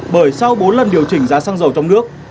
bởi sau bốn lần điều chỉnh giá xăng dầu trong nước